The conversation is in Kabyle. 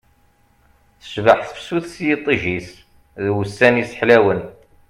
Tecbeḥ tefsut s yiṭij-is d wussan-is ḥlawen